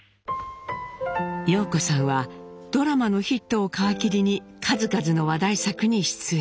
陽子さんはドラマのヒットを皮切りに数々の話題作に出演。